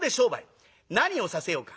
何をさせようか。